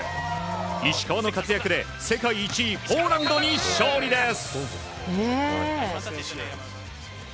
石川の活躍で世界１位ポーランドに勝利です。